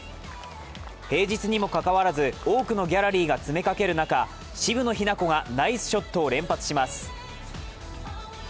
平日にもかかわらず、多くのギャラリーが詰めかける中渋野日向子がナイスショットを連発します。